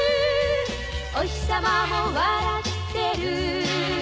「おひさまも笑ってる」